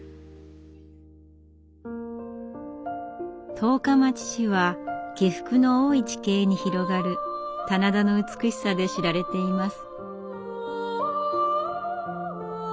十日町市は起伏の多い地形に広がる棚田の美しさで知られています。